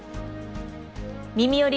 「みみより！